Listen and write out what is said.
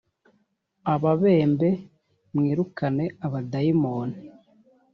ababembe mwirukane abadayimoni